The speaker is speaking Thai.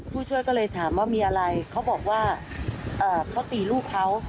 ผู้ช่วยก็เลยถามว่ามีอะไรเขาบอกว่าเขาตีลูกเขา